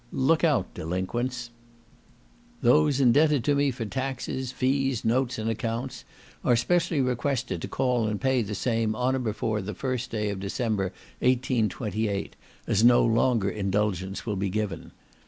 "LOOK OUT DELINQUENTS" "Those indebted to me for taxes, fees, notes, and accounts, are specially requested to call and pay the same on or before the 1st day of December, 1828, as no longer indulgence will be given.